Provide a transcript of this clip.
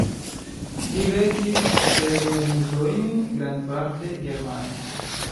Li verkis lernolibrojn grandparte germane.